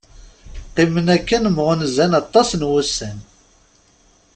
Qqimen akken mɣunzan aṭas n wussan.